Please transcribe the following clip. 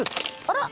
あら！